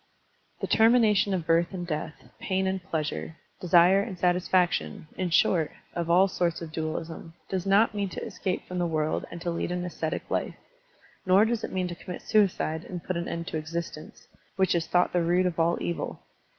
The termination of birth and death, pain and pleasure, desire and satisfaction, in short, of all sorts of dualism, does not mean to escape from the world and to lead an ascetic life, nor does it mean to commit suicide and put an end to existence, which is thought the root of all evil.